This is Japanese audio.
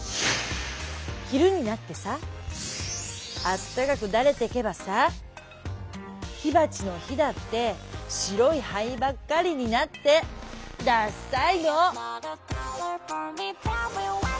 昼になってさあったかくだれてけばさ火ばちの火だって白い灰ばっかりになってだっさいの」。